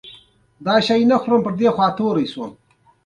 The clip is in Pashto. دوی د طبابت په علم پوهیدل